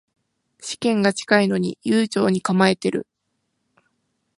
試験が近いのに悠長に構えてる